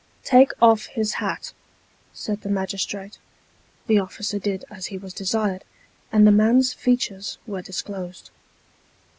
" Take off his hat," said the magistrate. The officer did as he was desired, and the man's features were disclosed.